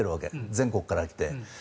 全国から来て。